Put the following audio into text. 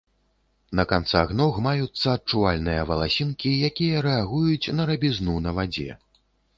На канцах ног маюцца адчувальныя валасінкі, якія рэагуюць на рабізну на вадзе.